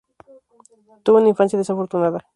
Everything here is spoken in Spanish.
Tuvo una infancia desafortunada.